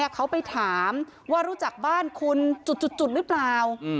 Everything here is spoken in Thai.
เขาไปถามว่ารู้จักบ้านคุณจุดหรือเปล่า